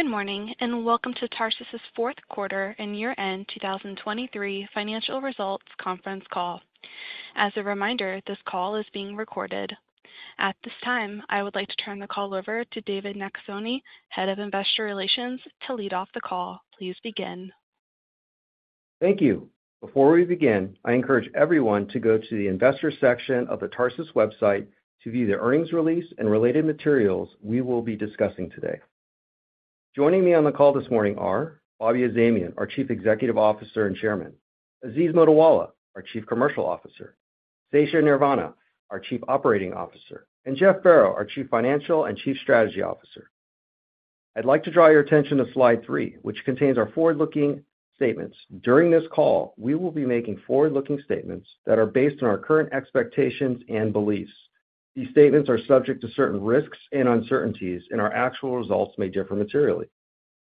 Good morning and welcome to Tarsus's fourth quarter and year-end 2023 Financial Results Conference Call. As a reminder, this call is being recorded. At this time, I would like to turn the call over to David Nakasone, head of investor relations, to lead off the call. Please begin. Thank you. Before we begin, I encourage everyone to go to the investor section of the Tarsus website to view the earnings release and related materials we will be discussing today. Joining me on the call this morning are: Bobby Azamian, our Chief Executive Officer and Chairman; Aziz Mottiwala, our Chief Commercial Officer; Seshadri Neervannan, our Chief Operating Officer; and Jeff Farrow, our Chief Financial and Chief Strategy Officer. I'd like to draw your attention to slide 3, which contains our forward-looking statements. During this call, we will be making forward-looking statements that are based on our current expectations and beliefs. These statements are subject to certain risks and uncertainties, and our actual results may differ materially.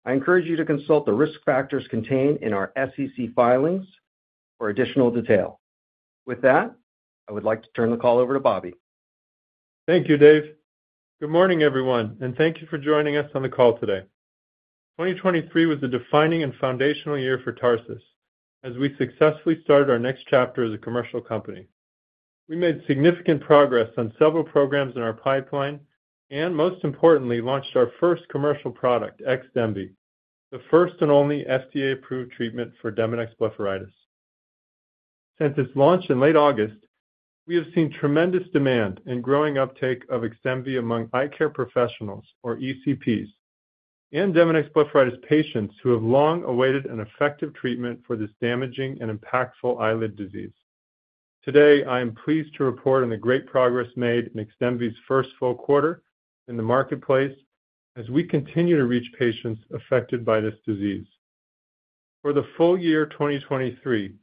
I encourage you to consult the risk factors contained in our SEC filings for additional detail. With that, I would like to turn the call over to Bobby. Thank you, Dave. Good morning, everyone, and thank you for joining us on the call today. 2023 was a defining and foundational year for Tarsus, as we successfully started our next chapter as a commercial company. We made significant progress on several programs in our pipeline and, most importantly, launched our first commercial product, XDEMVY, the first and only FDA-approved treatment for Demodex blepharitis. Since its launch in late August, we have seen tremendous demand and growing uptake of XDEMVY among eye care professionals, or ECPs, and Demodex blepharitis patients who have long awaited an effective treatment for this damaging and impactful eyelid disease. Today, I am pleased to report on the great progress made in XDEMVY's first full quarter in the marketplace as we continue to reach patients affected by this disease. For the full year 2023,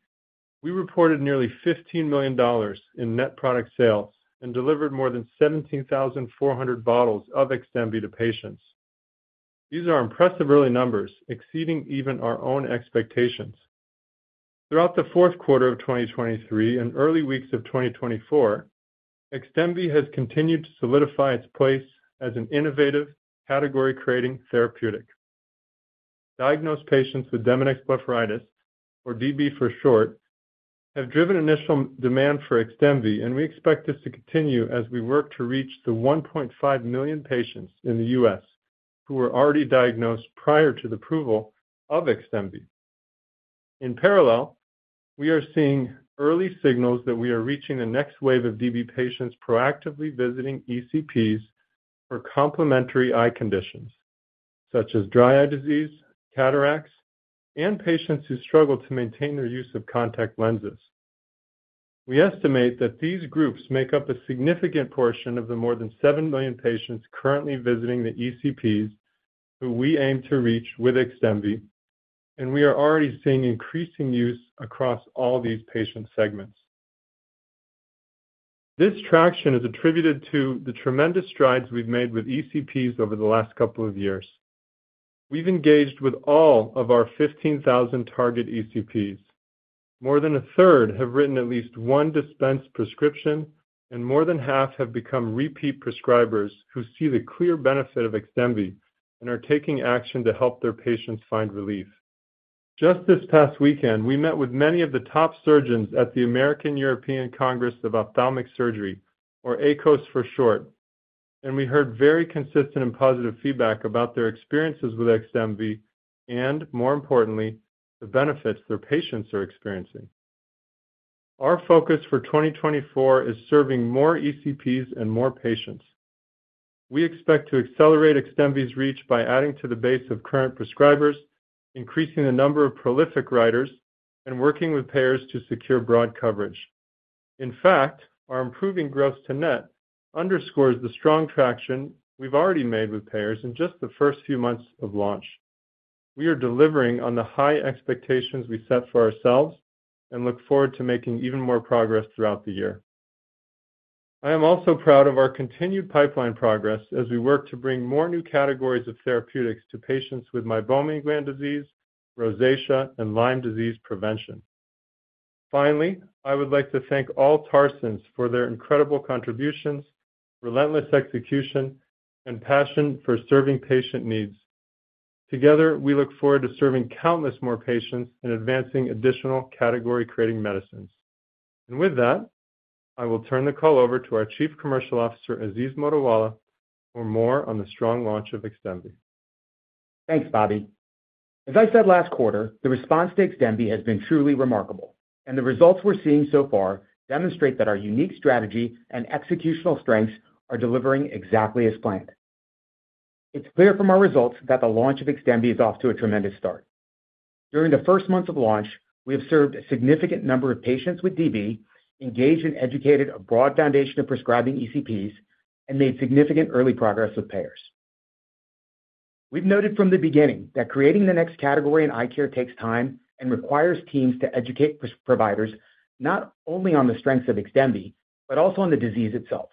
we reported nearly $15 million in net product sales and delivered more than 17,400 bottles of XDEMVY to patients. These are impressive early numbers, exceeding even our own expectations. Throughout the fourth quarter of 2023 and early weeks of 2024, XDEMVY has continued to solidify its place as an innovative, category-creating therapeutic. Diagnosed patients with Demodex blepharitis, or DB for short, have driven initial demand for XDEMVY, and we expect this to continue as we work to reach the 1.5 million patients in the U.S. who were already diagnosed prior to the approval of XDEMVY. In parallel, we are seeing early signals that we are reaching the next wave of DB patients proactively visiting ECPs for complementary eye conditions, such as dry eye disease, cataracts, and patients who struggle to maintain their use of contact lenses. We estimate that these groups make up a significant portion of the more than 7 million patients currently visiting the ECPs who we aim to reach with XDEMVY, and we are already seeing increasing use across all these patient segments. This traction is attributed to the tremendous strides we've made with ECPs over the last couple of years. We've engaged with all of our 15,000 target ECPs. More than a third have written at least one dispensed prescription, and more than half have become repeat prescribers who see the clear benefit of XDEMVY and are taking action to help their patients find relief. Just this past weekend, we met with many of the top surgeons at the American European Congress of Ophthalmic Surgery, or AECOS for short, and we heard very consistent and positive feedback about their experiences with XDEMVY and, more importantly, the benefits their patients are experiencing. Our focus for 2024 is serving more ECPs and more patients. We expect to accelerate XDEMVY's reach by adding to the base of current prescribers, increasing the number of prolific writers, and working with payers to secure broad coverage. In fact, our improving gross-to-net underscores the strong traction we've already made with payers in just the first few months of launch. We are delivering on the high expectations we set for ourselves and look forward to making even more progress throughout the year. I am also proud of our continued pipeline progress as we work to bring more new categories of therapeutics to patients with meibomian gland disease, rosacea, and Lyme disease prevention. Finally, I would like to thank all Tarsans for their incredible contributions, relentless execution, and passion for serving patient needs. Together, we look forward to serving countless more patients and advancing additional category-creating medicines. With that, I will turn the call over to our Chief Commercial Officer, Aziz Mottiwala, for more on the strong launch of XDEMVY. Thanks, Bobby. As I said last quarter, the response to XDEMVY has been truly remarkable, and the results we're seeing so far demonstrate that our unique strategy and executional strengths are delivering exactly as planned. It's clear from our results that the launch of XDEMVY is off to a tremendous start. During the first months of launch, we have served a significant number of patients with DB, engaged and educated a broad foundation of prescribing ECPs, and made significant early progress with payers. We've noted from the beginning that creating the next category in eye care takes time and requires teams to educate providers not only on the strengths of XDEMVY but also on the disease itself.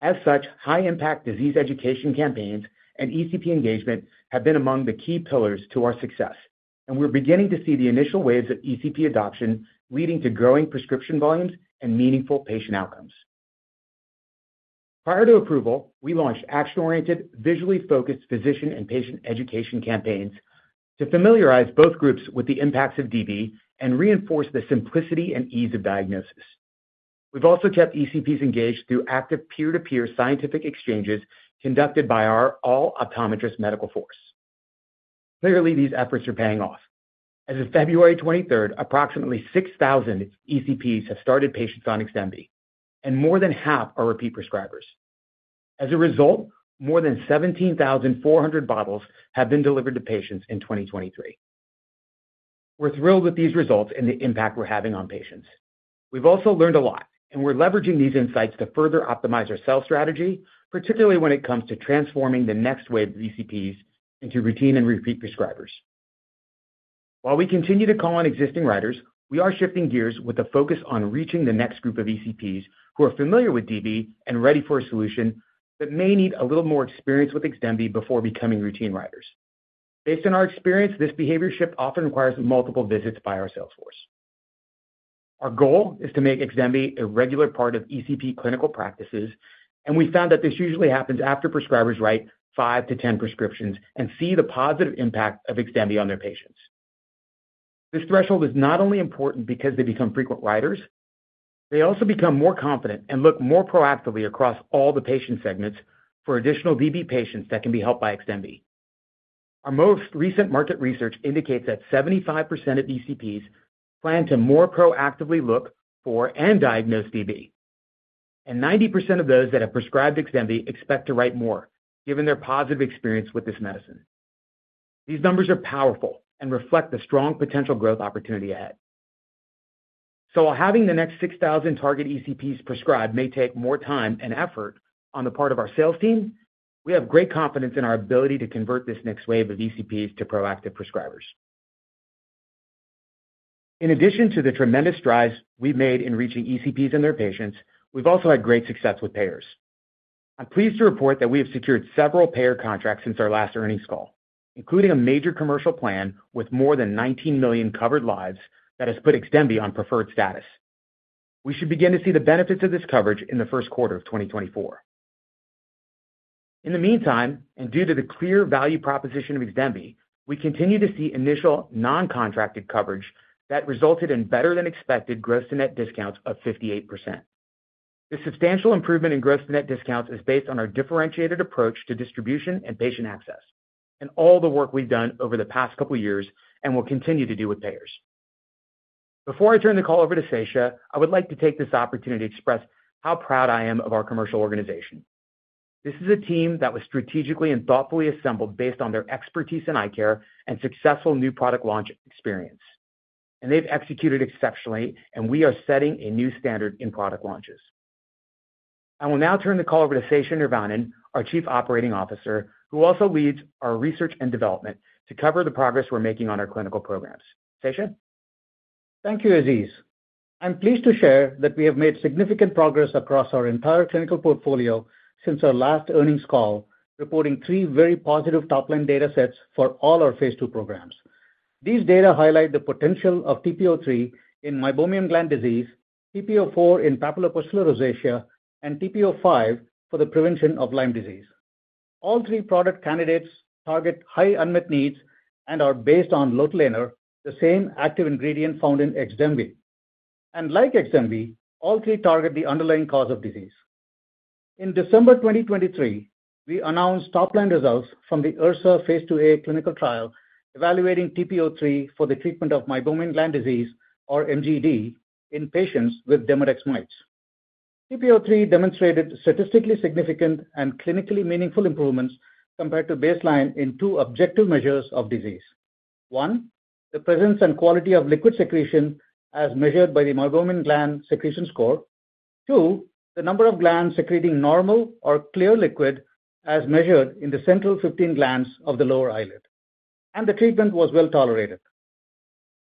As such, high-impact disease education campaigns and ECP engagement have been among the key pillars to our success, and we're beginning to see the initial waves of ECP adoption leading to growing prescription volumes and meaningful patient outcomes. Prior to approval, we launched action-oriented, visually focused physician and patient education campaigns to familiarize both groups with the impacts of DB and reinforce the simplicity and ease of diagnosis. We've also kept ECPs engaged through active peer-to-peer scientific exchanges conducted by our all-optometrist medical force. Clearly, these efforts are paying off. As of February 23, approximately 6,000 ECPs have started patients on XDEMVY, and more than half are repeat prescribers. As a result, more than 17,400 bottles have been delivered to patients in 2023. We're thrilled with these results and the impact we're having on patients. We've also learned a lot, and we're leveraging these insights to further optimize our sales strategy, particularly when it comes to transforming the next wave of ECPs into routine and repeat prescribers. While we continue to call on existing writers, we are shifting gears with a focus on reaching the next group of ECPs who are familiar with DB and ready for a solution that may need a little more experience with XDEMVY before becoming routine writers. Based on our experience, this behavior shift often requires multiple visits by our sales force. Our goal is to make XDEMVY a regular part of ECP clinical practices, and we found that this usually happens after prescribers write 5-10 prescriptions and see the positive impact of XDEMVY on their patients. This threshold is not only important because they become frequent writers. They also become more confident and look more proactively across all the patient segments for additional DB patients that can be helped by XDEMVY. Our most recent market research indicates that 75% of ECPs plan to more proactively look for and diagnose DB, and 90% of those that have prescribed XDEMVY expect to write more, given their positive experience with this medicine. These numbers are powerful and reflect the strong potential growth opportunity ahead. So while having the next 6,000 target ECPs prescribed may take more time and effort on the part of our sales team, we have great confidence in our ability to convert this next wave of ECPs to proactive prescribers. In addition to the tremendous strides we've made in reaching ECPs and their patients, we've also had great success with payers. I'm pleased to report that we have secured several payer contracts since our last earnings call, including a major commercial plan with more than 19 million covered lives that has put XDEMVY on preferred status. We should begin to see the benefits of this coverage in the first quarter of 2024. In the meantime, and due to the clear value proposition of XDEMVY, we continue to see initial non-contracted coverage that resulted in better-than-expected gross-to-net discounts of 58%. This substantial improvement in gross-to-net discounts is based on our differentiated approach to distribution and patient access, and all the work we've done over the past couple of years and will continue to do with payers. Before I turn the call over to Sesha, I would like to take this opportunity to express how proud I am of our commercial organization. This is a team that was strategically and thoughtfully assembled based on their expertise in eye care and successful new product launch experience, and they've executed exceptionally, and we are setting a new standard in product launches. I will now turn the call over to Sesha Neervannan, our Chief Operating Officer, who also leads our research and development to cover the progress we're making on our clinical programs. Sesha? Thank you, Aziz. I'm pleased to share that we have made significant progress across our entire clinical portfolio since our last earnings call, reporting three very positive top-line data sets for all our phase II programs. These data highlight the potential of TP-03 in meibomian gland disease, TP-04 in papulopustular rosacea, and TP-05 for the prevention of Lyme disease. All three product candidates target high unmet needs and are based on lotilaner, the same active ingredient found in XDEMVY. Like XDEMVY, all three target the underlying cause of disease. In December 2023, we announced top-line results from the URSA phase II-A clinical trial evaluating TP-03 for the treatment of meibomian gland disease, or MGD, in patients with Demodex mites. TP-03 demonstrated statistically significant and clinically meaningful improvements compared to baseline in two objective measures of disease: one, the presence and quality of liquid secretion as measured by the meibomian gland secretion score, two, the number of glands secreting normal or clear liquid as measured in the central 15 glands of the lower eyelid, and the treatment was well tolerated.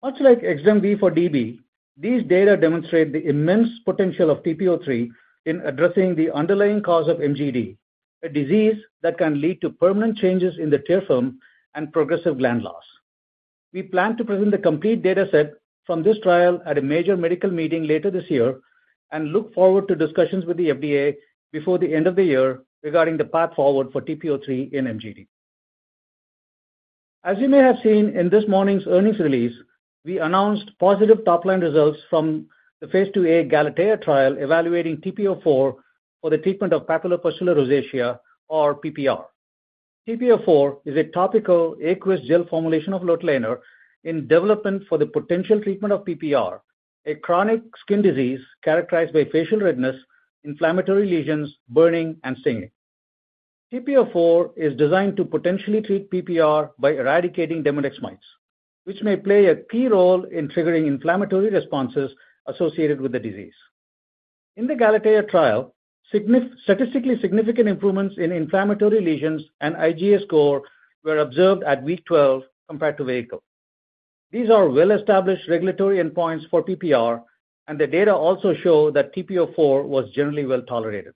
Much like XDEMVY for DB, these data demonstrate the immense potential of TP-03 in addressing the underlying cause of MGD, a disease that can lead to permanent changes in the tear film and progressive gland loss. We plan to present the complete data set from this trial at a major medical meeting later this year and look forward to discussions with the FDA before the end of the year regarding the path forward for TP-03 in MGD. As you may have seen in this morning's earnings release, we announced positive top-line results from the phase II-A GALATEA trial evaluating TP-04 for the treatment of papulopustular rosacea, or PPR. TP-04 is a topical aqueous gel formulation of lotilaner in development for the potential treatment of PPR, a chronic skin disease characterized by facial redness, inflammatory lesions, burning, and stinging. TP-04 is designed to potentially treat PPR by eradicating Demodex mites, which may play a key role in triggering inflammatory responses associated with the disease. In the GALATEA trial, statistically significant improvements in inflammatory lesions and IGA score were observed at week 12 compared to vehicle. These are well-established regulatory endpoints for PPR, and the data also show that TP-04 was generally well tolerated.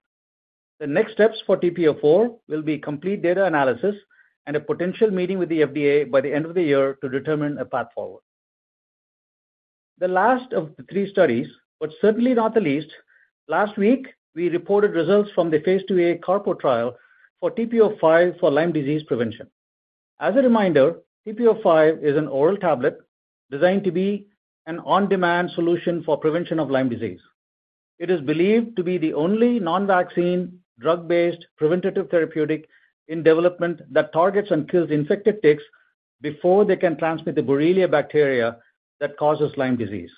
The next steps for TP-04 will be complete data analysis and a potential meeting with the FDA by the end of the year to determine a path forward. The last of the three studies, but certainly not the least, last week, we reported results from the phase II-A CARPO trial for TP-05 for Lyme disease prevention. As a reminder, TP-05 is an oral tablet designed to be an on-demand solution for prevention of Lyme disease. It is believed to be the only non-vaccine, drug-based preventative therapeutic in development that targets and kills infected ticks before they can transmit the Borrelia bacteria that causes Lyme disease.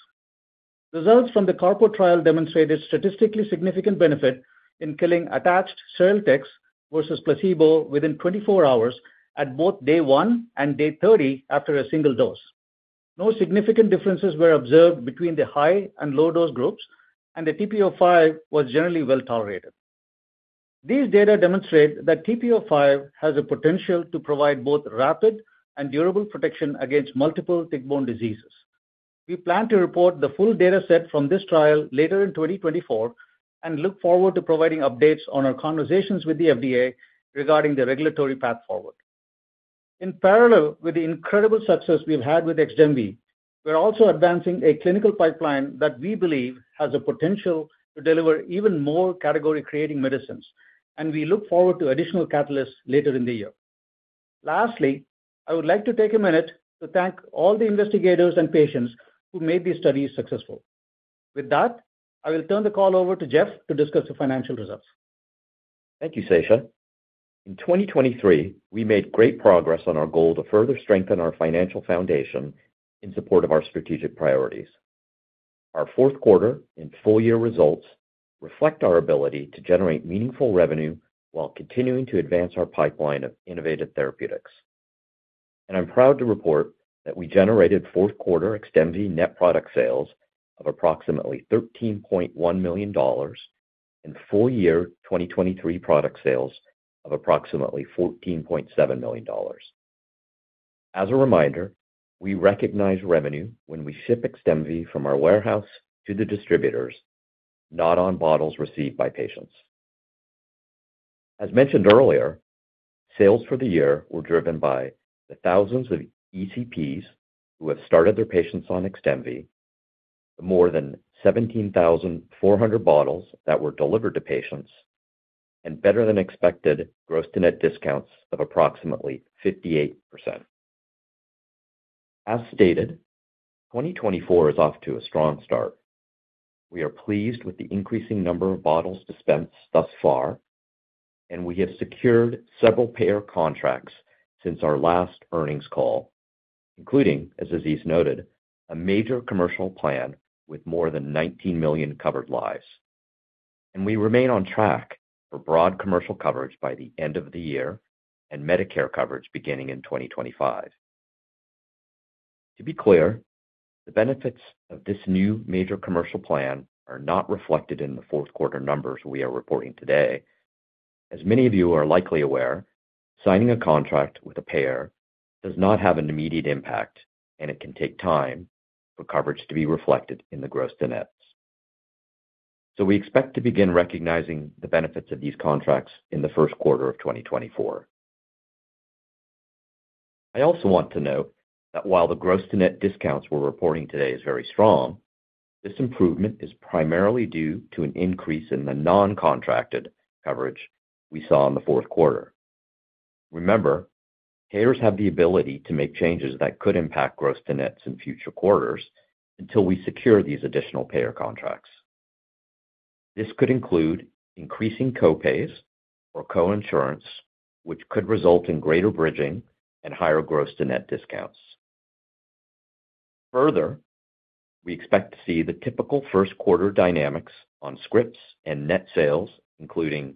Results from the CARPO trial demonstrated statistically significant benefit in killing attached sterile ticks versus placebo within 24 hours at both day one and day 30 after a single dose. No significant differences were observed between the high and low dose groups, and the TP-05 was generally well tolerated. These data demonstrate that TP-05 has the potential to provide both rapid and durable protection against multiple tick-borne diseases. We plan to report the full data set from this trial later in 2024 and look forward to providing updates on our conversations with the FDA regarding the regulatory path forward. In parallel with the incredible success we've had with XDEMVY, we're also advancing a clinical pipeline that we believe has the potential to deliver even more category-creating medicines, and we look forward to additional catalysts later in the year. Lastly, I would like to take a minute to thank all the investigators and patients who made these studies successful. With that, I will turn the call over to Jeff to discuss the financial results. Thank you, Sesha. In 2023, we made great progress on our goal to further strengthen our financial foundation in support of our strategic priorities. Our fourth quarter and full-year results reflect our ability to generate meaningful revenue while continuing to advance our pipeline of innovative therapeutics. I'm proud to report that we generated fourth quarter XDEMVY net product sales of approximately $13.1 million and full-year 2023 product sales of approximately $14.7 million. As a reminder, we recognize revenue when we ship XDEMVY from our warehouse to the distributors, not on bottles received by patients. As mentioned earlier, sales for the year were driven by the thousands of ECPs who have started their patients on XDEMVY, the more than 17,400 bottles that were delivered to patients, and better-than-expected gross-to-net discounts of approximately 58%. As stated, 2024 is off to a strong start. We are pleased with the increasing number of bottles dispensed thus far, and we have secured several payer contracts since our last earnings call, including, as Aziz noted, a major commercial plan with more than 19 million covered lives. We remain on track for broad commercial coverage by the end of the year and Medicare coverage beginning in 2025. To be clear, the benefits of this new major commercial plan are not reflected in the fourth quarter numbers we are reporting today. As many of you are likely aware, signing a contract with a payer does not have an immediate impact, and it can take time for coverage to be reflected in the gross-to-nets. So we expect to begin recognizing the benefits of these contracts in the first quarter of 2024. I also want to note that while the gross-to-net discounts we're reporting today are very strong, this improvement is primarily due to an increase in the non-contracted coverage we saw in the fourth quarter. Remember, payers have the ability to make changes that could impact gross-to-nets in future quarters until we secure these additional payer contracts. This could include increasing copays or co-insurance, which could result in greater bridging and higher gross-to-net discounts. Further, we expect to see the typical first quarter dynamics on scripts and net sales, including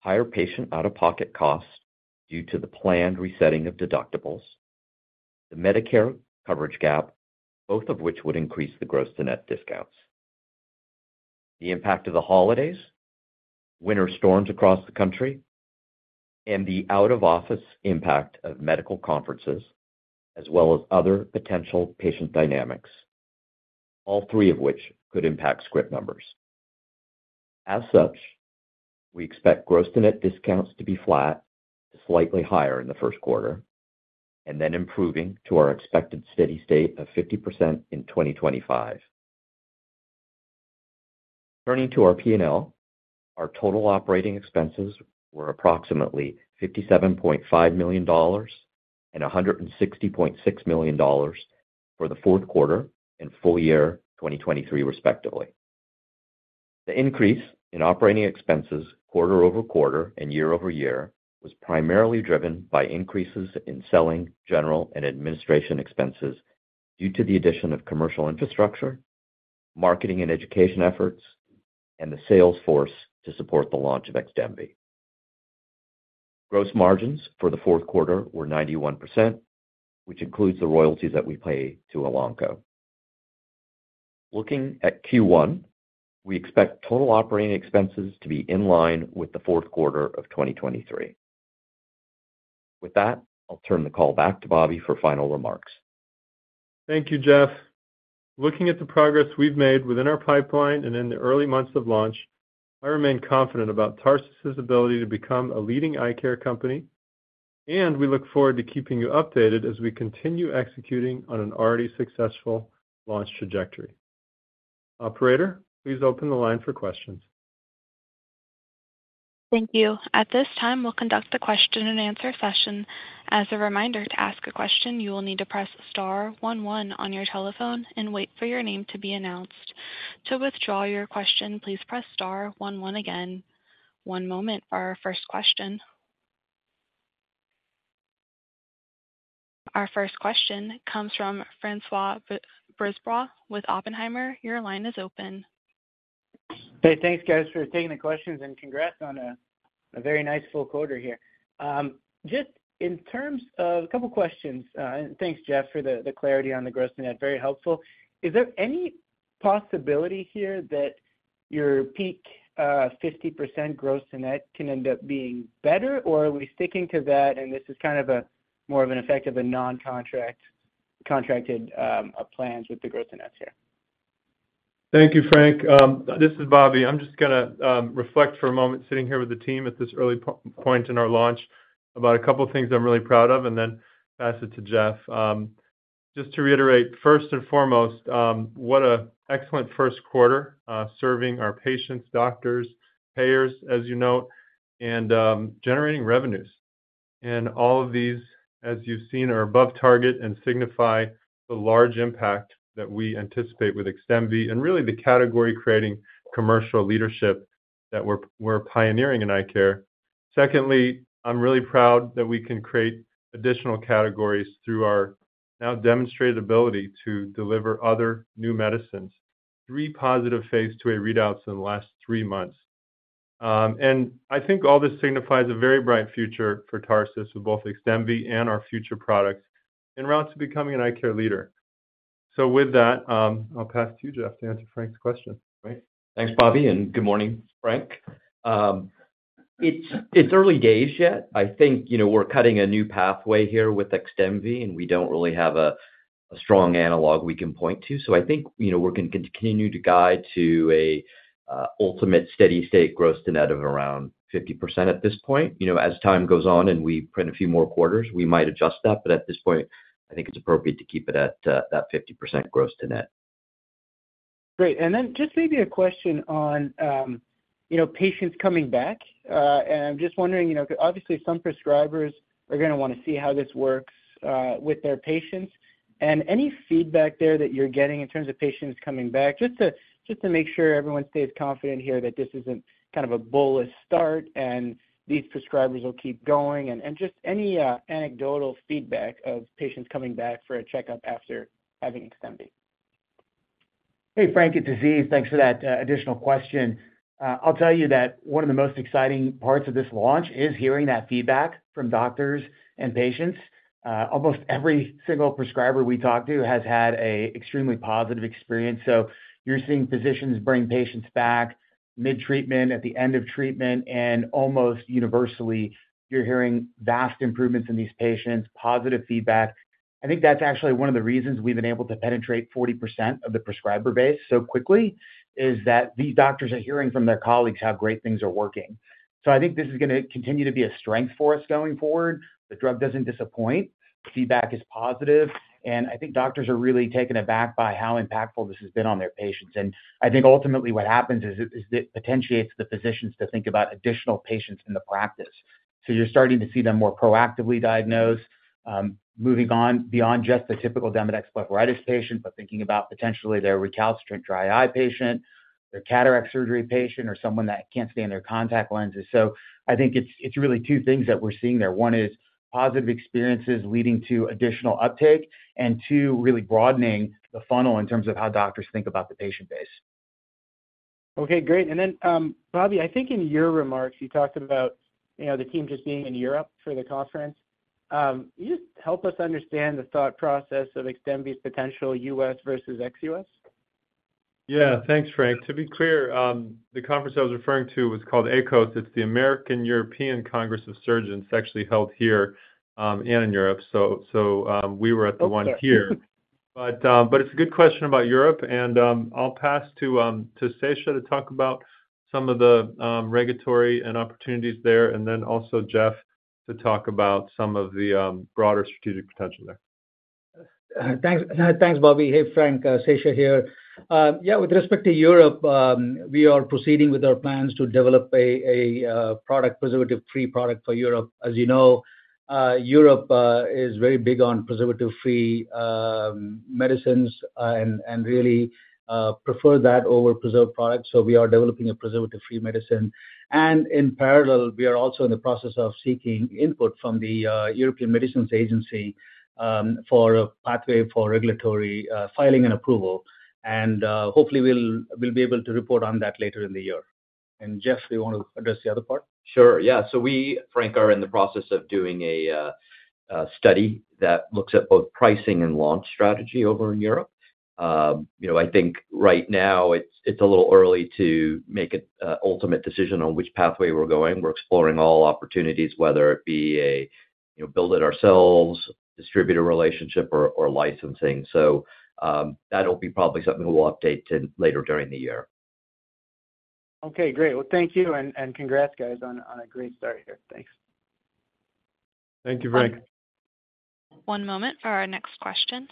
higher patient out-of-pocket cost due to the planned resetting of deductibles, the Medicare coverage gap, both of which would increase the gross-to-net discounts. The impact of the holidays, winter storms across the country, and the out-of-office impact of medical conferences, as well as other potential patient dynamics, all three of which could impact script numbers. As such, we expect gross-to-net discounts to be flat to slightly higher in the first quarter, and then improving to our expected steady state of 50% in 2025. Turning to our P&L, our total operating expenses were approximately $57.5 million and $160.6 million for the fourth quarter and full year 2023, respectively. The increase in operating expenses quarter over quarter and year-over-year was primarily driven by increases in selling, general, and administration expenses due to the addition of commercial infrastructure, marketing and education efforts, and the sales force to support the launch of XDEMVY.Gross margins for the fourth quarter were 91%, which includes the royalties that we pay to Elanco. Looking at Q1, we expect total operating expenses to be in line with the fourth quarter of 2023. With that, I'll turn the call back to Bobby for final remarks. Thank you, Jeff. Looking at the progress we've made within our pipeline and in the early months of launch, I remain confident about Tarsus's ability to become a leading eye care company, and we look forward to keeping you updated as we continue executing on an already successful launch trajectory. Operator, please open the line for questions. Thank you. At this time, we'll conduct the question-and-answer session. As a reminder, to ask a question, you will need to press star one one on your telephone and wait for your name to be announced. To withdraw your question, please press star one one again. One moment for our first question. Our first question comes from François Brisebois with Oppenheimer. Your line is open. Hey, thanks, guys, for taking the questions, and congrats on a very nice full quarter here. Just in terms of a couple of questions, and thanks, Jeff, for the clarity on the gross-to-net, very helpful. Is there any possibility here that your peak 50% gross-to-net can end up being better, or are we sticking to that, and this is kind of more of an effect of a non-contracted plan with the gross-to-nets here? Thank you, Frank. This is Bobby. I'm just going to reflect for a moment sitting here with the team at this early point in our launch about a couple of things I'm really proud of, and then pass it to Jeff. Just to reiterate, first and foremost, what an excellent first quarter serving our patients, doctors, payers, as you note, and generating revenues. All of these, as you've seen, are above target and signify the large impact that we anticipate with XDEMVY and really the category-creating commercial leadership that we're pioneering in eye care. Secondly, I'm really proud that we can create additional categories through our now demonstrated ability to deliver other new medicines, three positive phase II-A readouts in the last three months. I think all this signifies a very bright future for Tarsus with both XDEMVY and our future products and routes to becoming an eye care leader. With that, I'll pass it to you, Jeff, to answer Frank's question. Great. Thanks, Bobby, and good morning, Frank. It's early days yet. I think we're cutting a new pathway here with XDEMVY, and we don't really have a strong analog we can point to. So I think we're going to continue to guide to an ultimate steady state gross-to-net of around 50% at this point. As time goes on and we print a few more quarters, we might adjust that, but at this point, I think it's appropriate to keep it at that 50% gross-to-net. Great. Then just maybe a question on patients coming back. I'm just wondering, because obviously, some prescribers are going to want to see how this works with their patients. Any feedback there that you're getting in terms of patients coming back, just to make sure everyone stays confident here that this isn't kind of a bullish start and these prescribers will keep going, and just any anecdotal feedback of patients coming back for a checkup after having XDEMVY? Hey, Frank, it's Aziz. Thanks for that additional question. I'll tell you that one of the most exciting parts of this launch is hearing that feedback from doctors and patients. Almost every single prescriber we talk to has had an extremely positive experience. So you're seeing physicians bring patients back mid-treatment, at the end of treatment, and almost universally, you're hearing vast improvements in these patients, positive feedback. I think that's actually one of the reasons we've been able to penetrate 40% of the prescriber base so quickly, is that these doctors are hearing from their colleagues how great things are working. So I think this is going to continue to be a strength for us going forward. The drug doesn't disappoint. Feedback is positive. And I think doctors are really taken aback by how impactful this has been on their patients. I think ultimately, what happens is it potentiates the physicians to think about additional patients in the practice. You're starting to see them more proactively diagnose, moving on beyond just the typical Demodex blepharitis patient, but thinking about potentially their recalcitrant dry eye patient, their cataract surgery patient, or someone that can't stay in their contact lenses. I think it's really two things that we're seeing there. One is positive experiences leading to additional uptake, and two, really broadening the funnel in terms of how doctors think about the patient base. Okay, great. And then, Bobby, I think in your remarks, you talked about the team just being in Europe for the conference. Can you just help us understand the thought process of XDEMVY's potential U.S. versus ex-U.S.? Yeah, thanks, Frank. To be clear, the conference I was referring to was called AECOS. It's the American European Congress of Surgeons actually held here and in Europe. So we were at the one here. But it's a good question about Europe. I'll pass to Sesha to talk about some of the regulatory and opportunities there, and then also Jeff to talk about some of the broader strategic potential there. Thanks, Bobby. Hey, Frank, Sesha here. Yeah, with respect to Europe, we are proceeding with our plans to develop a product, preservative-free product for Europe. As you know, Europe is very big on preservative-free medicines and really prefers that over preserved products. So we are developing a preservative-free medicine. In parallel, we are also in the process of seeking input from the European Medicines Agency for a pathway for regulatory filing and approval. Hopefully, we'll be able to report on that later in the year. Jeff, do you want to address the other part? Sure. Yeah. So we, Frank, are in the process of doing a study that looks at both pricing and launch strategy over in Europe. I think right now, it's a little early to make an ultimate decision on which pathway we're going. We're exploring all opportunities, whether it be a build it ourselves, distributor relationship, or licensing. So that'll be probably something we'll update later during the year. Okay, great. Well, thank you and congrats, guys, on a great start here. Thanks. Thank you, Frank. One moment for our next question.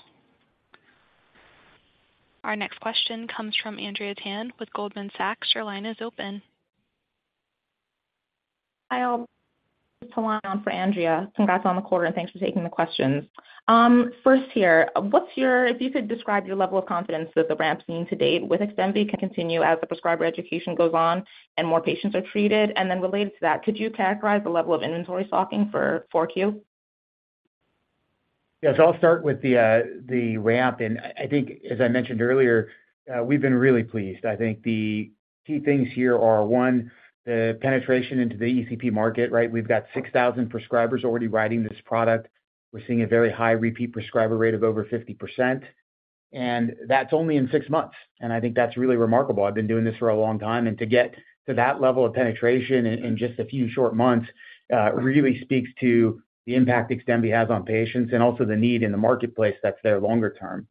Our next question comes from Andrea Tan with Goldman Sachs. Your line is open. Hi, all. Just to line up for Andrea. Congrats on the quarter, and thanks for taking the questions. First here, if you could describe your level of confidence that the ramp's seen to date with XDEMVY can continue as the prescriber education goes on and more patients are treated. And then related to that, could you characterize the level of inventory stocking for 4Q? Yes. I'll start with the ramp. I think, as I mentioned earlier, we've been really pleased. I think the key things here are, one, the penetration into the ECP market, right? We've got 6,000 prescribers already writing this product. We're seeing a very high repeat prescriber rate of over 50%. And that's only in six months. I think that's really remarkable. I've been doing this for a long time. And to get to that level of penetration in just a few short months really speaks to the impact XDEMVY has on patients and also the need in the marketplace that's there longer term.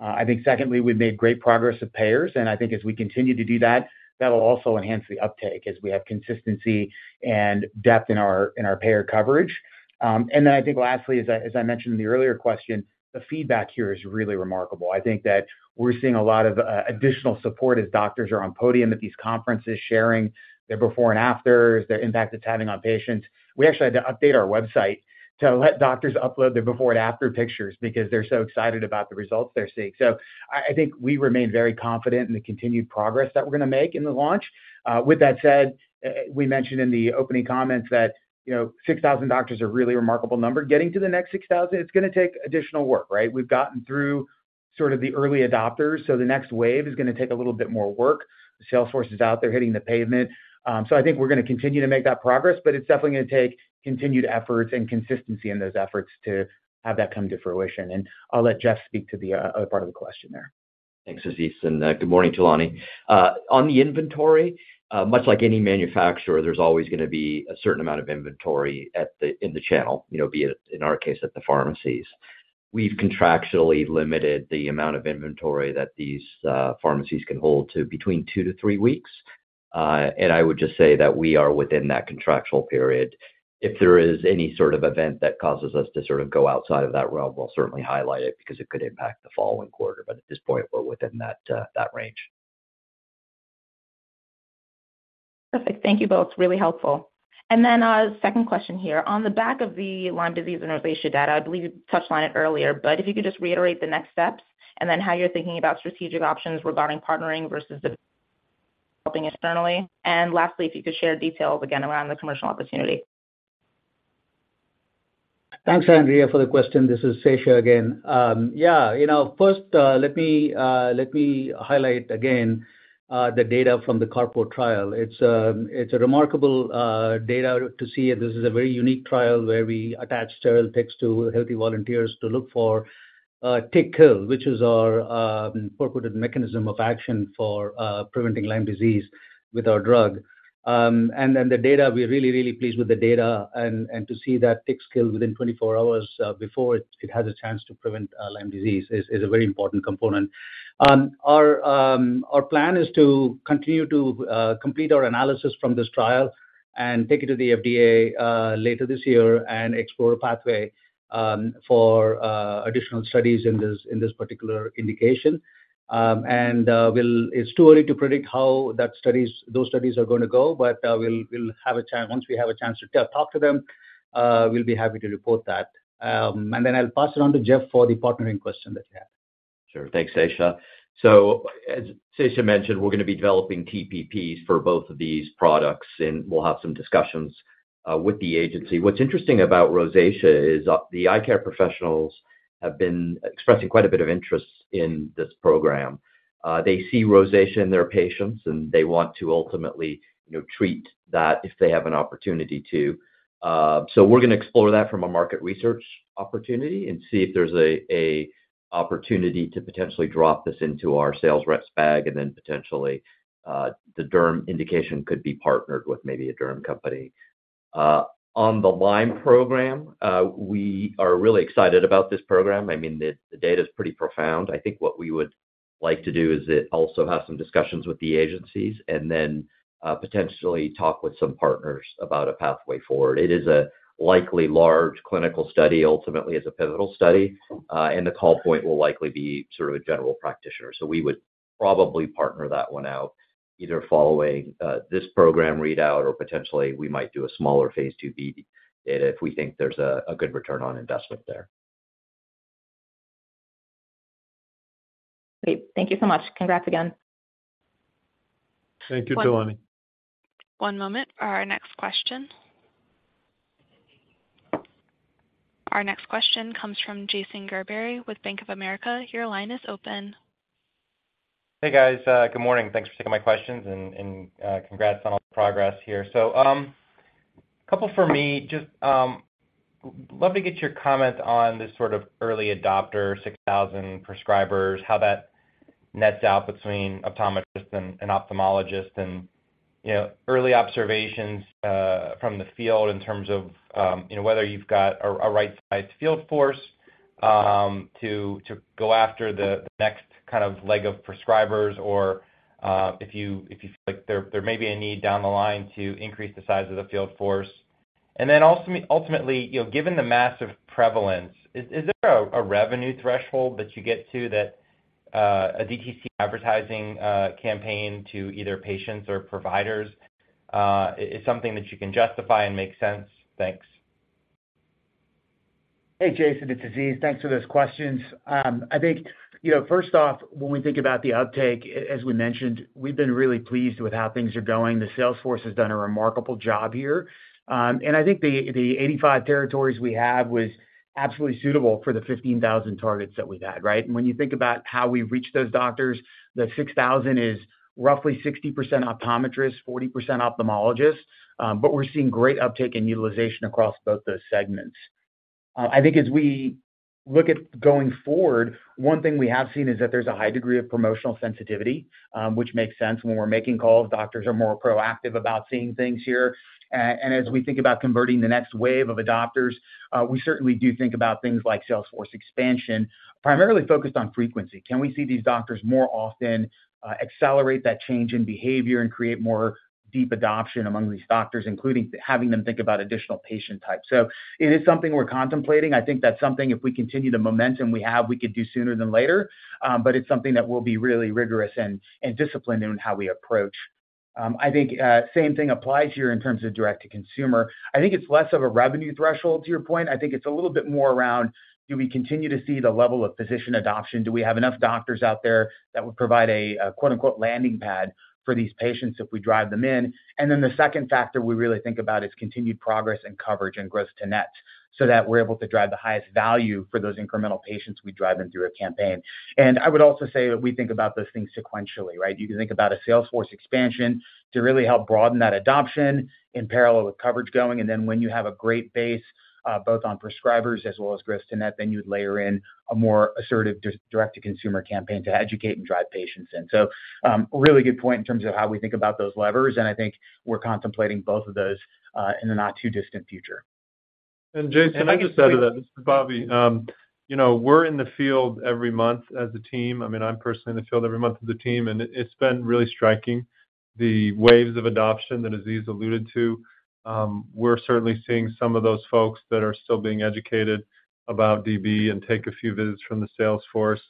I think, secondly, we've made great progress with payers. And I think as we continue to do that, that'll also enhance the uptake as we have consistency and depth in our payer coverage. And then I think lastly, as I mentioned in the earlier question, the feedback here is really remarkable. I think that we're seeing a lot of additional support as doctors are on podium at these conferences, sharing their before and afters, the impact it's having on patients. We actually had to update our website to let doctors upload their before and after pictures because they're so excited about the results they're seeing. So I think we remain very confident in the continued progress that we're going to make in the launch. With that said, we mentioned in the opening comments that 6,000 doctors are a really remarkable number. Getting to the next 6,000, it's going to take additional work, right? We've gotten through sort of the early adopters. So the next wave is going to take a little bit more work. Sales force is out there hitting the pavement. So I think we're going to continue to make that progress, but it's definitely going to take continued efforts and consistency in those efforts to have that come to fruition. And I'll let Jeff speak to the other part of the question there. Thanks, Aziz. And good morning, Tan. On the inventory, much like any manufacturer, there's always going to be a certain amount of inventory in the channel, be it in our case at the pharmacies. We've contractually limited the amount of inventory that these pharmacies can hold to between 2, 3 weeks. And I would just say that we are within that contractual period. If there is any sort of event that causes us to sort of go outside of that realm, we'll certainly highlight it because it could impact the following quarter. But at this point, we're within that range. Perfect. Thank you both. Really helpful. And then second question here. On the back of the Lyme disease and rosacea data, I believe you touched on it earlier, but if you could just reiterate the next steps and then how you're thinking about strategic options regarding partnering versus developing externally. And lastly, if you could share details again around the commercial opportunity? Thanks, Andrea, for the question. This is Sesha again. Yeah, first, let me highlight again the data from the CARPO trial. It's a remarkable data to see. This is a very unique trial where we attached sterile ticks to healthy volunteers to look for tick kill, which is our purported mechanism of action for preventing Lyme disease with our drug. Then the data, we're really, really pleased with the data. To see that ticks kill within 24 hours before it has a chance to prevent Lyme disease is a very important component. Our plan is to continue to complete our analysis from this trial and take it to the FDA later this year and explore a pathway for additional studies in this particular indication. It's too early to predict how those studies are going to go, but we'll have a chance. Once we have a chance to talk to them, we'll be happy to report that. And then I'll pass it on to Jeff for the partnering question that you had. Sure. Thanks, Sesha. So as Sesha mentioned, we're going to be developing TPPs for both of these products, and we'll have some discussions with the agency. What's interesting about rosacea is the eye care professionals have been expressing quite a bit of interest in this program. They see rosacea in their patients, and they want to ultimately treat that if they have an opportunity to. So we're going to explore that from a market research opportunity and see if there's an opportunity to potentially drop this into our sales rep's bag, and then potentially the derm indication could be partnered with maybe a derm company. On the Lyme program, we are really excited about this program. I mean, the data is pretty profound. I think what we would like to do is also have some discussions with the agencies and then potentially talk with some partners about a pathway forward. It is a likely large clinical study. Ultimately, it's a pivotal study. The call point will likely be sort of a general practitioner. We would probably partner that one out either following this program readout or potentially we might do a smaller phase II-B if we think there's a good return on investment there. Great. Thank you so much. Congrats again. Thank you, Tan. One moment for our next question. Our next question comes from Jason Gerberry with Bank of America. Your line is open. Hey, guys. Good morning. Thanks for taking my questions, and congrats on all the progress here. So a couple for me. Just love to get your comment on this sort of early adopter, 6,000 prescribers, how that nets out between optometrist and ophthalmologist and early observations from the field in terms of whether you've got a right-sized field force to go after the next kind of leg of prescribers or if you feel like there may be a need down the line to increase the size of the field force. And then ultimately, given the massive prevalence, is there a revenue threshold that you get to that a DTC advertising campaign to either patients or providers is something that you can justify and make sense? Thanks. Hey, Jason. It's Aziz. Thanks for those questions. I think, first off, when we think about the uptake, as we mentioned, we've been really pleased with how things are going. The sales force has done a remarkable job here. And I think the 85 territories we have was absolutely suitable for the 15,000 targets that we've had, right? And when you think about how we reach those doctors, the 6,000 is roughly 60% optometrists, 40% ophthalmologists. But we're seeing great uptake and utilization across both those segments. I think as we look at going forward, one thing we have seen is that there's a high degree of promotional sensitivity, which makes sense. When we're making calls, doctors are more proactive about seeing things here. And as we think about converting the next wave of adopters, we certainly do think about things like sales force expansion, primarily focused on frequency. Can we see these doctors more often accelerate that change in behavior and create more deep adoption among these doctors, including having them think about additional patient types? So it is something we're contemplating. I think that's something if we continue the momentum we have, we could do sooner than later. But it's something that we'll be really rigorous and disciplined in how we approach. I think same thing applies here in terms of direct-to-consumer. I think it's less of a revenue threshold to your point. I think it's a little bit more around, do we continue to see the level of physician adoption? Do we have enough doctors out there that would provide a "landing pad" for these patients if we drive them in? Then the second factor we really think about is continued progress and coverage and gross-to-net so that we're able to drive the highest value for those incremental patients we drive in through a campaign. I would also say that we think about those things sequentially, right? You can think about a sales force expansion to really help broaden that adoption in parallel with coverage going. Then when you have a great base both on prescribers as well as gross-to-net, then you'd layer in a more assertive direct-to-consumer campaign to educate and drive patients in. Really good point in terms of how we think about those levers. I think we're contemplating both of those in the not-too-distant future. Jason, I just added that. This is Bobby. We're in the field every month as a team. I mean, I'm personally in the field every month as a team. And it's been really striking, the waves of adoption that Aziz alluded to. We're certainly seeing some of those folks that are still being educated about DB and take a few visits from the sales force.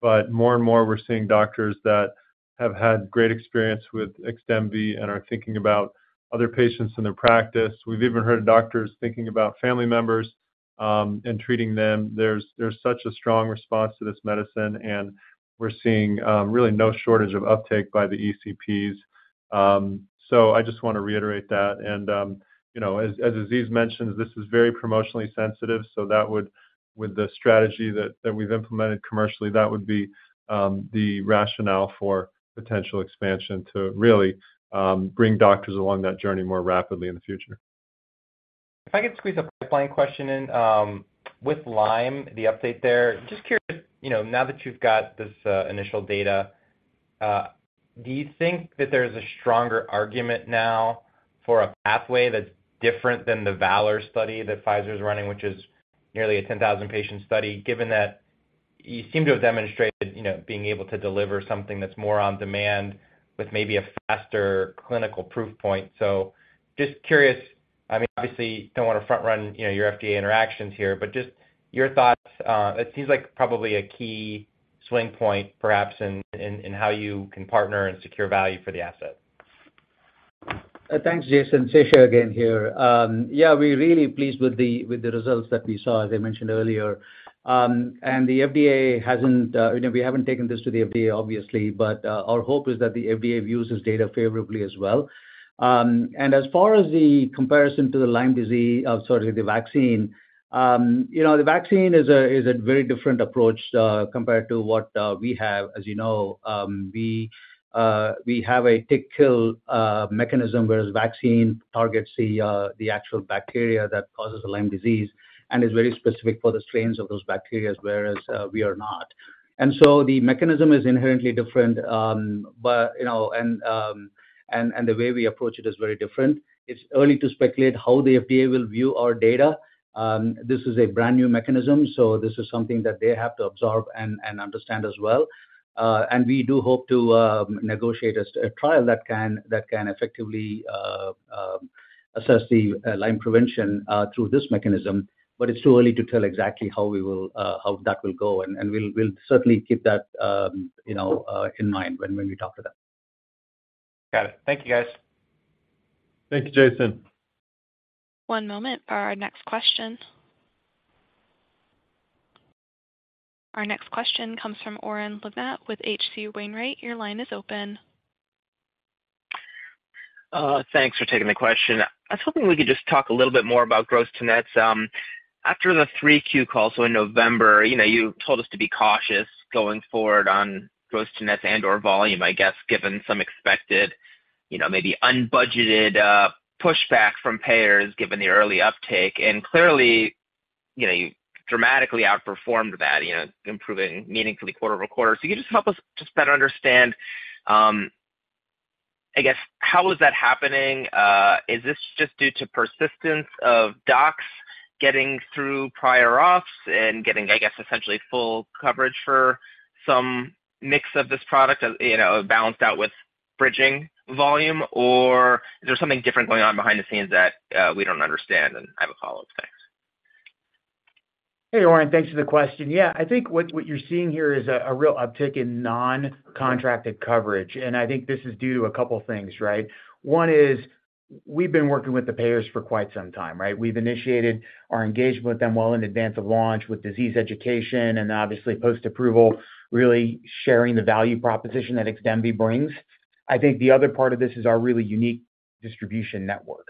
But more and more, we're seeing doctors that have had great experience with XDEMVY and are thinking about other patients in their practice. We've even heard doctors thinking about family members and treating them. There's such a strong response to this medicine, and we're seeing really no shortage of uptake by the ECPs. So I just want to reiterate that. And as Aziz mentions, this is very promotionally sensitive. With the strategy that we've implemented commercially, that would be the rationale for potential expansion to really bring doctors along that journey more rapidly in the future. If I could squeeze a pipeline question in with Lyme, the update there, just curious, now that you've got this initial data, do you think that there's a stronger argument now for a pathway that's different than the VALOR study that Pfizer's running, which is nearly a 10,000-patient study, given that you seem to have demonstrated being able to deliver something that's more on demand with maybe a faster clinical proof point? So just curious, I mean, obviously, don't want to front-run your FDA interactions here, but just your thoughts. It seems like probably a key swing point, perhaps, in how you can partner and secure value for the asset. Thanks, Jason. Sesha again here. Yeah, we're really pleased with the results that we saw, as I mentioned earlier. We haven't taken this to the FDA, obviously, but our hope is that the FDA views this data favorably as well. As far as the comparison to the Lyme disease, sorry, the vaccine, the vaccine is a very different approach compared to what we have. As you know, we have a tick-kill mechanism whereas vaccine targets the actual bacteria that causes Lyme disease and is very specific for the strains of those bacteria, whereas we are not. The mechanism is inherently different, and the way we approach it is very different. It's early to speculate how the FDA will view our data. This is a brand new mechanism, so this is something that they have to absorb and understand as well. We do hope to negotiate a trial that can effectively assess the Lyme prevention through this mechanism. It's too early to tell exactly how that will go. We'll certainly keep that in mind when we talk to them. Got it. Thank you, guys. Thank you, Jason. One moment for our next question. Our next question comes from Oren Livnat. With H.C. Wainwright, your line is open. Thanks for taking the question. I was hoping we could just talk a little bit more about gross to net. After the 3Q call, so in November, you told us to be cautious going forward on gross to net and/or volume, I guess, given some expected, maybe unbudgeted pushback from payers given the early uptake. Clearly, you dramatically outperformed that, improving meaningfully quarter-over-quarter. Can you just help us just better understand, I guess, how is that happening? Is this just due to persistence of docs getting through prior auths and getting, I guess, essentially full coverage for some mix of this product balanced out with bridging volume? Or is there something different going on behind the scenes that we don't understand? I have a follow-up. Thanks. Hey, Oren. Thanks for the question. Yeah, I think what you're seeing here is a real uptick in non-contracted coverage. I think this is due to a couple of things, right? One is we've been working with the payers for quite some time, right? We've initiated our engagement with them well in advance of launch with disease education and obviously post-approval, really sharing the value proposition that XDEMVY brings. I think the other part of this is our really unique distribution network.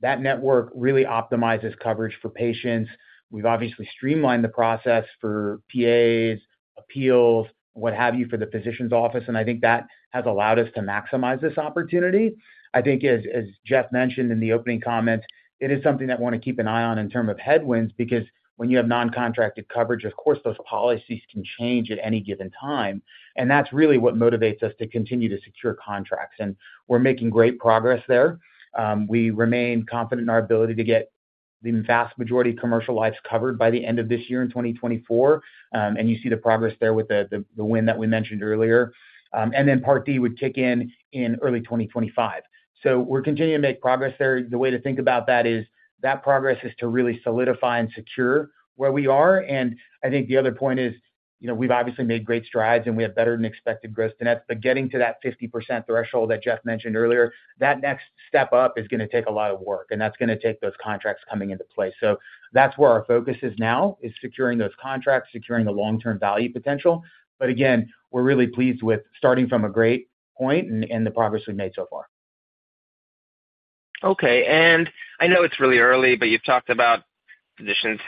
That network really optimizes coverage for patients. We've obviously streamlined the process for PAs, appeals, what have you for the physician's office. I think that has allowed us to maximize this opportunity. I think, as Jeff mentioned in the opening comments, it is something that we want to keep an eye on in terms of headwinds because when you have non-contracted coverage, of course, those policies can change at any given time. That's really what motivates us to continue to secure contracts. We're making great progress there. We remain confident in our ability to get the vast majority commercial lives covered by the end of this year in 2024. You see the progress there with the win that we mentioned earlier. Then Part D would kick in in early 2025. We're continuing to make progress there. The way to think about that is that progress is to really solidify and secure where we are. I think the other point is we've obviously made great strides, and we have better-than-expected gross to net. But getting to that 50% threshold that Jeff mentioned earlier, that next step up is going to take a lot of work, and that's going to take those contracts coming into place. So that's where our focus is now, is securing those contracts, securing the long-term value potential. But again, we're really pleased with starting from a great point and the progress we've made so far. Okay. And I know it's really early, but you've talked about physicians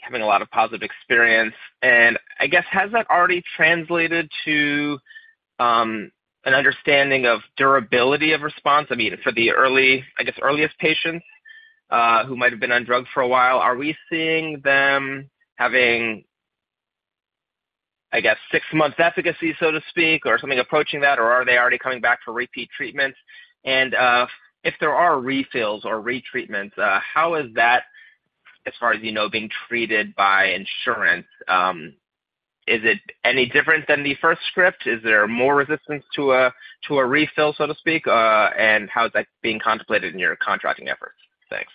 having a lot of positive experience. And I guess, has that already translated to an understanding of durability of response? I mean, for the, I guess, earliest patients who might have been on drugs for a while, are we seeing them having, I guess, six months' efficacy, so to speak, or something approaching that? Or are they already coming back for repeat treatments? And if there are refills or retreatments, how is that, as far as you know, being treated by insurance? Is it any different than the first script? Is there more resistance to a refill, so to speak? And how is that being contemplated in your contracting efforts? Thanks.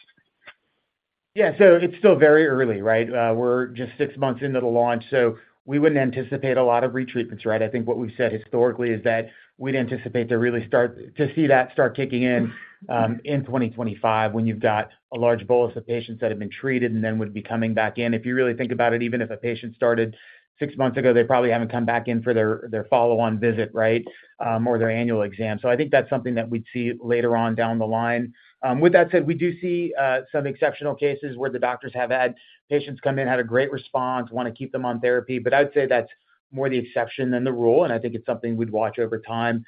Yeah. So it's still very early, right? We're just six months into the launch. So we wouldn't anticipate a lot of retreatments, right? I think what we've said historically is that we'd anticipate to really start to see that start kicking in in 2025 when you've got a large bolus of patients that have been treated and then would be coming back in. If you really think about it, even if a patient started six months ago, they probably haven't come back in for their follow-on visit, right, or their annual exam. So I think that's something that we'd see later on down the line. With that said, we do see some exceptional cases where the doctors have had patients come in, had a great response, want to keep them on therapy. But I would say that's more the exception than the rule. I think it's something we'd watch over time.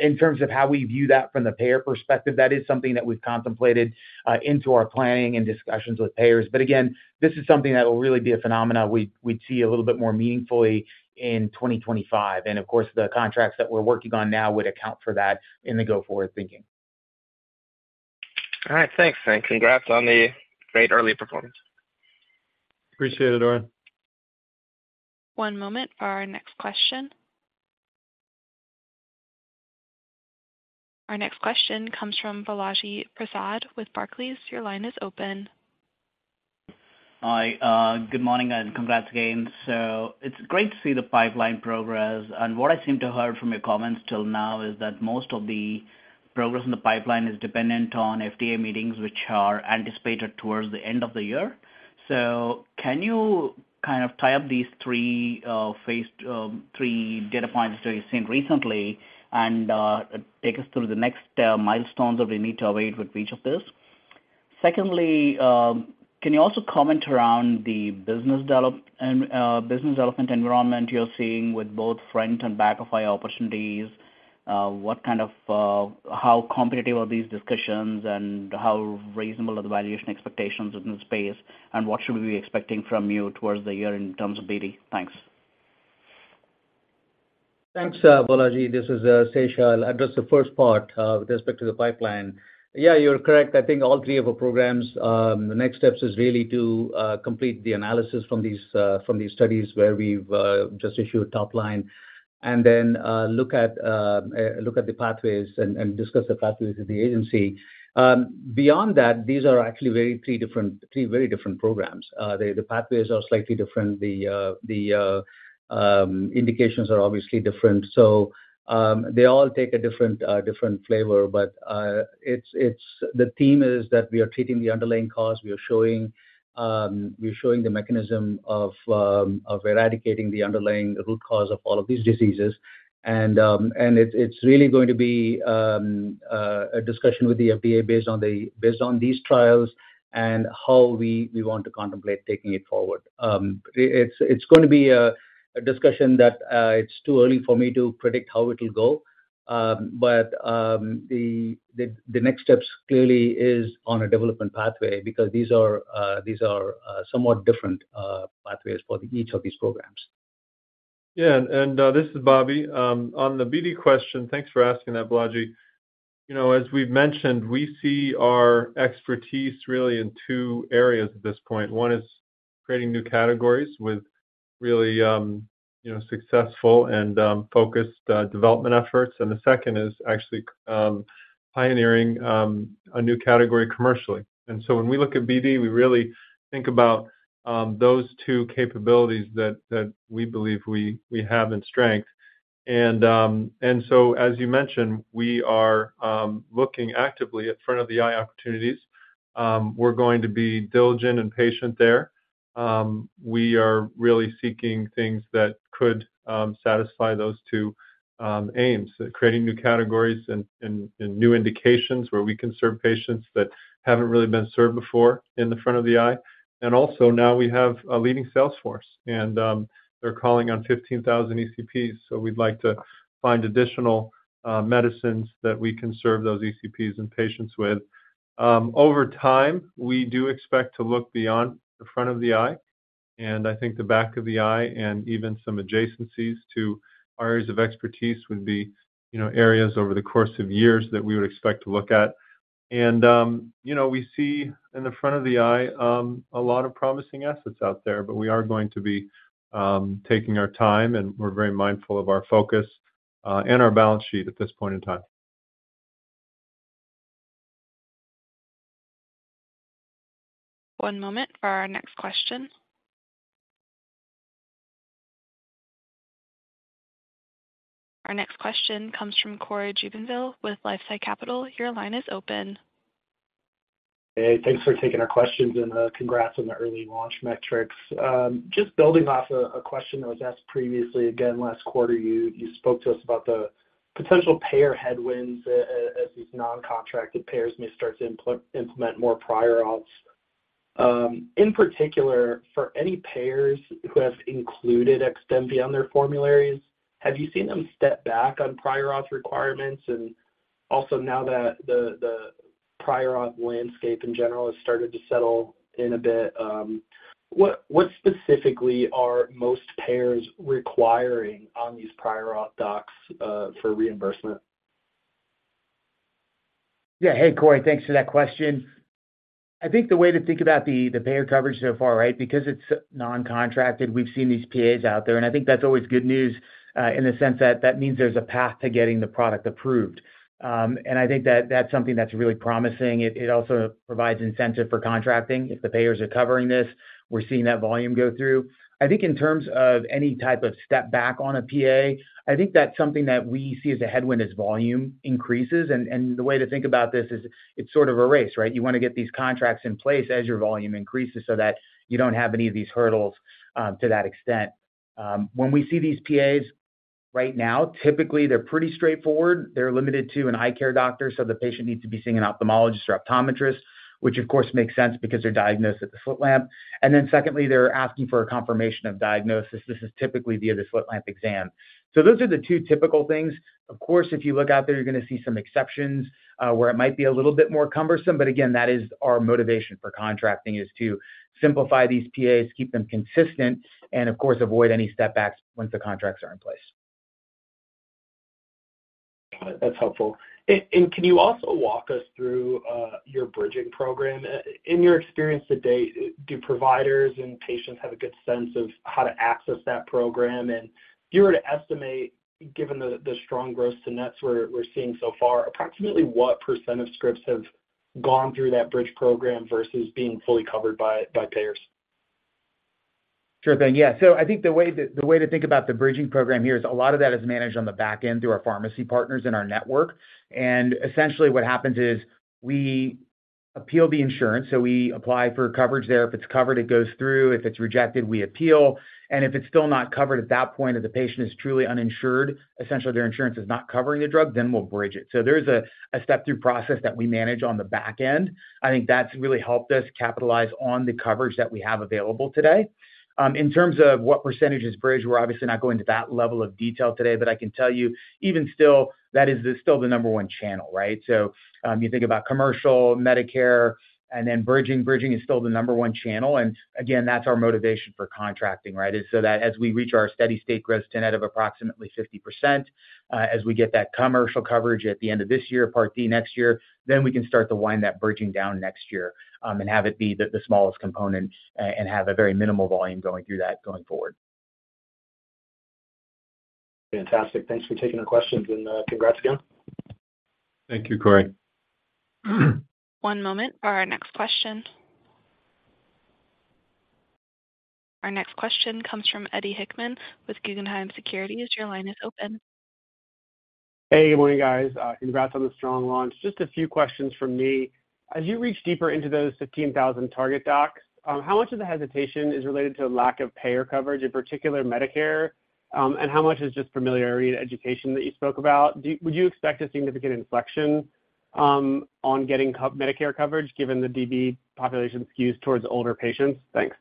In terms of how we view that from the payer perspective, that is something that we've contemplated into our planning and discussions with payers. But again, this is something that will really be a phenomenon we'd see a little bit more meaningfully in 2025. Of course, the contracts that we're working on now would account for that in the go-forward thinking. All right. Thanks. And congrats on the great early performance. Appreciate it, Oren. One moment for our next question. Our next question comes from Balaji Prasad with Barclays. Your line is open. Hi. Good morning and congrats again. So it's great to see the pipeline progress. And what I seem to have heard from your comments till now is that most of the progress in the pipeline is dependent on FDA meetings, which are anticipated towards the end of the year. So can you kind of tie up these three data points that you've seen recently and take us through the next milestones that we need to await with each of this? Secondly, can you also comment around the business development environment you're seeing with both front- and back-of-the-eye opportunities? How competitive are these discussions, and how reasonable are the valuation expectations within the space? And what should we be expecting from you towards the year in terms of BD? Thanks. Thanks, Balaji. This is Sesha. I'll address the first part with respect to the pipeline. Yeah, you're correct. I think all three of our programs, the next steps is really to complete the analysis from these studies where we've just issued topline and then look at the pathways and discuss the pathways with the agency. Beyond that, these are actually three very different programs. The pathways are slightly different. The indications are obviously different. So they all take a different flavor. But the theme is that we are treating the underlying cause. We are showing the mechanism of eradicating the underlying root cause of all of these diseases. And it's really going to be a discussion with the FDA based on these trials and how we want to contemplate taking it forward. It's going to be a discussion that it's too early for me to predict how it will go. But the next steps clearly are on a development pathway because these are somewhat different pathways for each of these programs. Yeah. And this is Bobby. On the BD question, thanks for asking that, Balaji. As we've mentioned, we see our expertise really in two areas at this point. One is creating new categories with really successful and focused development efforts. And the second is actually pioneering a new category commercially. And so when we look at BD, we really think about those two capabilities that we believe we have in strength. And so, as you mentioned, we are looking actively at front-of-the-eye opportunities. We're going to be diligent and patient there. We are really seeking things that could satisfy those two aims, creating new categories and new indications where we can serve patients that haven't really been served before in the front of the eye. And also, now we have a leading salesforce, and they're calling on 15,000 ECPs. So we'd like to find additional medicines that we can serve those ECPs and patients with. Over time, we do expect to look beyond the front of the eye. And I think the back of the eye and even some adjacencies to our areas of expertise would be areas over the course of years that we would expect to look at. And we see in the front of the eye a lot of promising assets out there, but we are going to be taking our time, and we're very mindful of our focus and our balance sheet at this point in time. One moment for our next question. Our next question comes from Cory Jubinville with LifeSci Capital. Your line is open. Hey. Thanks for taking our questions and congrats on the early launch metrics. Just building off a question that was asked previously, again, last quarter, you spoke to us about the potential payer headwinds as these non-contracted payers may start to implement more prior auths. In particular, for any payers who have included XDEMVY on their formularies, have you seen them step back on prior auth requirements? And also, now that the prior auth landscape in general has started to settle in a bit, what specifically are most payers requiring on these prior auth docs for reimbursement? Yeah. Hey, Cory. Thanks for that question. I think the way to think about the payer coverage so far, right, because it's non-contracted, we've seen these PAs out there. And I think that's always good news in the sense that that means there's a path to getting the product approved. And I think that's something that's really promising. It also provides incentive for contracting if the payers are covering this. We're seeing that volume go through. I think in terms of any type of step back on a PA, I think that's something that we see as a headwind is volume increases. And the way to think about this is it's sort of a race, right? You want to get these contracts in place as your volume increases so that you don't have any of these hurdles to that extent. When we see these PAs right now, typically, they're pretty straightforward. They're limited to an eye care doctor, so the patient needs to be seeing an ophthalmologist or optometrist, which, of course, makes sense because they're diagnosed at the slit lamp. And then secondly, they're asking for a confirmation of diagnosis. This is typically via the slit lamp exam. So those are the two typical things. Of course, if you look out there, you're going to see some exceptions where it might be a little bit more cumbersome. But again, that is our motivation for contracting, is to simplify these PAs, keep them consistent, and, of course, avoid any stepbacks once the contracts are in place. Got it. That's helpful. And can you also walk us through your bridging program? In your experience to date, do providers and patients have a good sense of how to access that program? And if you were to estimate, given the strong gross to net we're seeing so far, approximately what % of scripts have gone through that bridge program versus being fully covered by payers? Sure thing. Yeah. So I think the way to think about the bridging program here is a lot of that is managed on the back end through our pharmacy partners and our network. And essentially, what happens is we appeal the insurance. So we apply for coverage there. If it's covered, it goes through. If it's rejected, we appeal. And if it's still not covered at that point and the patient is truly uninsured, essentially, their insurance is not covering the drug, then we'll bridge it. So there's a step-through process that we manage on the back end. I think that's really helped us capitalize on the coverage that we have available today. In terms of what percentages bridge, we're obviously not going to that level of detail today. But I can tell you, even still, that is still the number one channel, right? You think about commercial, Medicare, and then bridging. Bridging is still the number one channel. Again, that's our motivation for contracting, right, is so that as we reach our steady state gross to net of approximately 50%, as we get that commercial coverage at the end of this year, Part D next year, then we can start to wind that bridging down next year and have it be the smallest component and have a very minimal volume going through that going forward. Fantastic. Thanks for taking our questions, and congrats again. Thank you, Cory. One moment for our next question. Our next question comes from Eddie Hickman with Guggenheim Securities. Your line is open. Hey. Good morning, guys. Congrats on the strong launch. Just a few questions from me. As you reach deeper into those 15,000 target docs, how much of the hesitation is related to lack of payer coverage, in particular Medicare, and how much is just familiarity and education that you spoke about? Would you expect a significant inflection on getting Medicare coverage given the DB population skews towards older patients? Thanks.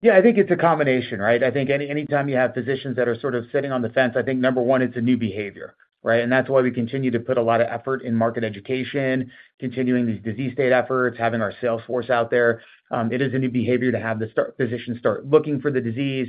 Yeah. I think it's a combination, right? I think anytime you have physicians that are sort of sitting on the fence, I think, number one, it's a new behavior, right? And that's why we continue to put a lot of effort in market education, continuing these disease state efforts, having our salesforce out there. It is a new behavior to have the physicians start looking for the disease,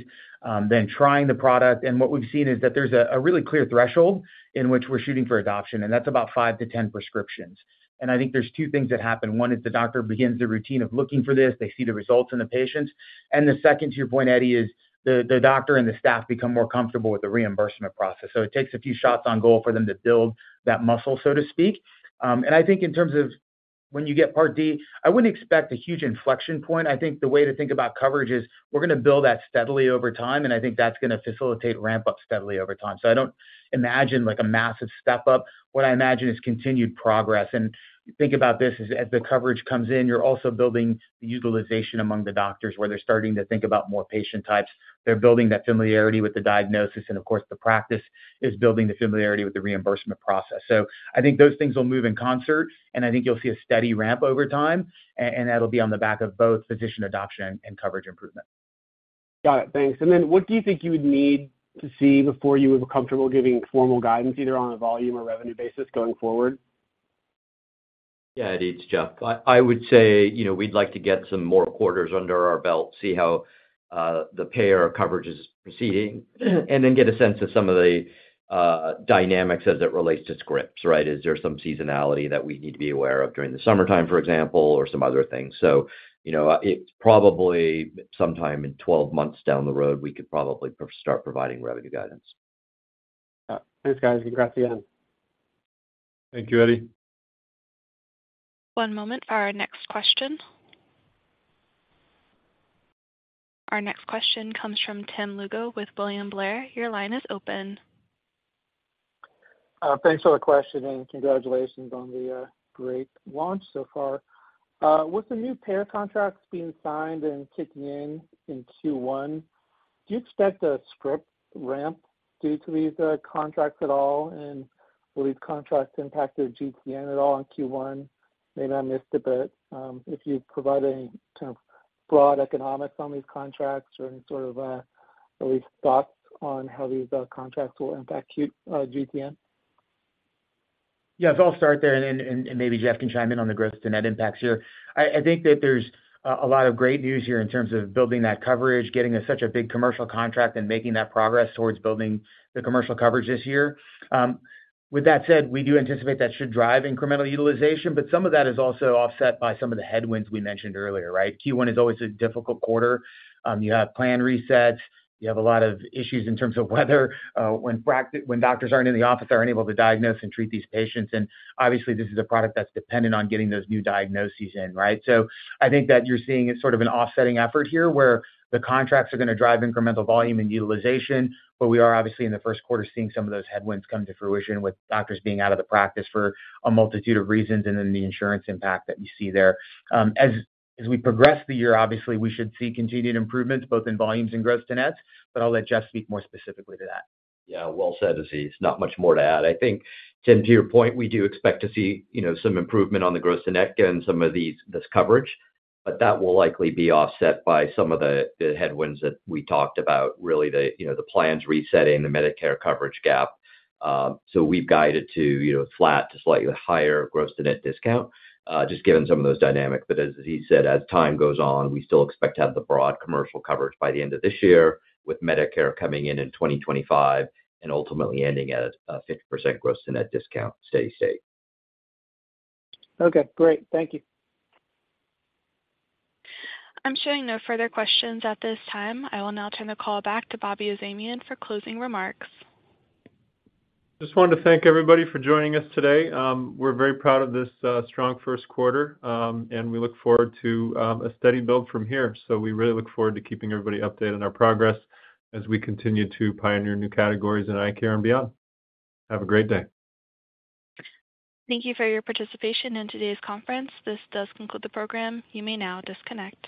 then trying the product. And what we've seen is that there's a really clear threshold in which we're shooting for adoption, and that's about 5-10 prescriptions. And I think there's two things that happen. One is the doctor begins the routine of looking for this. They see the results in the patients. And the second, to your point, Eddie, is the doctor and the staff become more comfortable with the reimbursement process. So it takes a few shots on goal for them to build that muscle, so to speak. And I think in terms of when you get Part D, I wouldn't expect a huge inflection point. I think the way to think about coverage is we're going to build that steadily over time, and I think that's going to facilitate ramp-up steadily over time. So I don't imagine a massive step-up. What I imagine is continued progress. And think about this: as the coverage comes in, you're also building the utilization among the doctors where they're starting to think about more patient types. They're building that familiarity with the diagnosis. And of course, the practice is building the familiarity with the reimbursement process. So I think those things will move in concert, and I think you'll see a steady ramp over time. That'll be on the back of both physician adoption and coverage improvement. Got it. Thanks. And then what do you think you would need to see before you were comfortable giving formal guidance either on a volume or revenue basis going forward? Yeah, Eddie, it's Jeff. I would say we'd like to get some more quarters under our belt, see how the payer coverage is proceeding, and then get a sense of some of the dynamics as it relates to scripts, right? Is there some seasonality that we need to be aware of during the summertime, for example, or some other things? Probably sometime in 12 months down the road, we could probably start providing revenue guidance. Thanks, guys. Congrats again. Thank you, Eddie. One moment for our next question. Our next question comes from Tim Lugo with William Blair. Your line is open. Thanks for the question, and congratulations on the great launch so far. With the new payer contracts being signed and kicking in in Q1, do you expect a script ramp due to these contracts at all? And will these contracts impact your GTN at all in Q1? Maybe I missed it, but if you provide any kind of broad economics on these contracts or any sort of at least thoughts on how these contracts will impact GTN. Yeah. I'll start there, and maybe Jeff can chime in on the gross-to-net impacts here. I think that there's a lot of great news here in terms of building that coverage, getting such a big commercial contract, and making that progress towards building the commercial coverage this year. With that said, we do anticipate that should drive incremental utilization, but some of that is also offset by some of the headwinds we mentioned earlier, right? Q1 is always a difficult quarter. You have plan resets. You have a lot of issues in terms of weather when doctors aren't in the office, aren't able to diagnose and treat these patients. And obviously, this is a product that's dependent on getting those new diagnoses in, right? I think that you're seeing sort of an offsetting effort here where the contracts are going to drive incremental volume and utilization, but we are obviously in the first quarter seeing some of those headwinds come to fruition with doctors being out of the practice for a multitude of reasons and then the insurance impact that you see there. As we progress the year, obviously, we should see continued improvements both in volumes and gross to net, but I'll let Jeff speak more specifically to that. Yeah. Well said, Aziz. Not much more to add. I think, Tim, to your point, we do expect to see some improvement on the gross to net and some of this coverage, but that will likely be offset by some of the headwinds that we talked about, really the plans resetting, the Medicare coverage gap. So we've guided to flat to slightly higher gross to net discount just given some of those dynamics. But as Aziz said, as time goes on, we still expect to have the broad commercial coverage by the end of this year with Medicare coming in in 2025 and ultimately ending at a 50% gross to net discount steady state. Okay. Great. Thank you. I'm showing no further questions at this time. I will now turn the call back to Bobby Azamian for closing remarks. Just wanted to thank everybody for joining us today. We're very proud of this strong first quarter, and we look forward to a steady build from here. So we really look forward to keeping everybody updated on our progress as we continue to pioneer new categories in eye care and beyond. Have a great day. Thank you for your participation in today's conference. This does conclude the program. You may now disconnect.